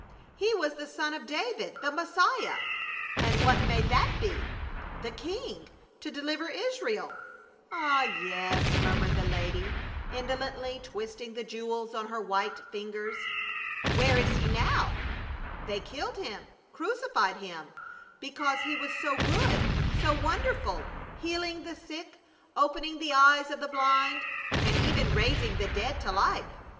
He was the son of David — the Messiah," "And what may that be ?" "The King — to deliver Israel." "Ah, yes," murmured the lady, indolently twist ing the jewels on her white fingers. " Where is he now?" "They killed him — crucified him, because he was so good, so wonderful, healing the sick, opening the eyes of the blind, and even raising the dead to life."